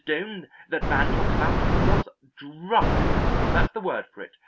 Doane, that Van tells about, was drunk; that's the word for it.